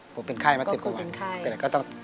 ผมเป็นไข้มา๑๐กว่าวัน